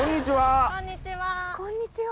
こんにちは！